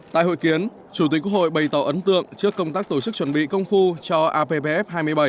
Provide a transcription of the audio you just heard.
tại hội kiến chủ tịch quốc hội bày tỏ ấn tượng trước công tác tổ chức chuẩn bị công phu cho appf hai mươi bảy